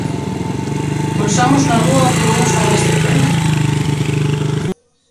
Pulsamos na rúa a opinión sobre este tema.